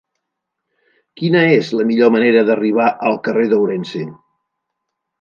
Quina és la millor manera d'arribar al carrer d'Ourense?